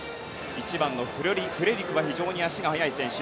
１番のフレリクは非常に足が速い選手。